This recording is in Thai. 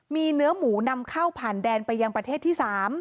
มีเนื้อหมูนำเข้าผ่านแดนไปยังประเทศที่๓